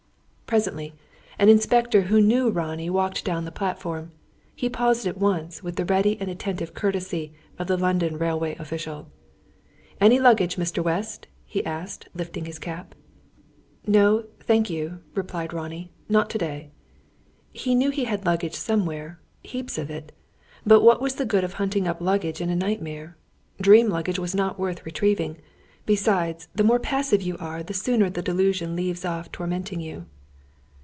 Presently an Inspector who knew Ronnie walked down the platform. He paused at once, with the ready and attentive courtesy of the London railway official. "Any luggage, Mr. West?" he asked, lifting his cap. "No, thank you," replied Ronnie, "not to day." He knew he had luggage somewhere heaps of it. But what was the good of hunting up luggage in a nightmare? Dream luggage was not worth retrieving. Besides, the more passive you are, the sooner the delusion leaves off tormenting you.